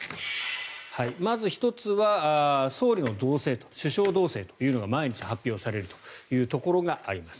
まず１つは総理の動静首相動静というのが毎日発表されるというところがあります。